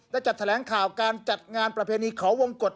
จัดแถลงข่าวการจัดงานประเพณีขอวงกฎ